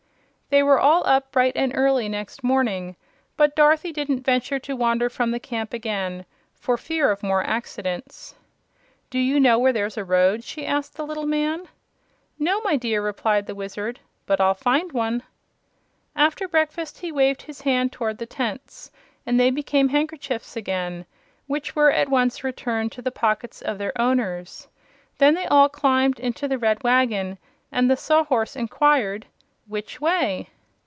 They were all up bright and early next morning, but Dorothy didn't venture to wander from the camp again for fear of more accidents. "Do you know where there's a road?" she asked the little man. "No, my dear," replied the Wizard; "but I'll find one." After breakfast he waved his hand toward the tents and they became handkerchiefs again, which were at once returned to the pockets of their owners. Then they all climbed into the red wagon and the Sawhorse inquired: "Which way?"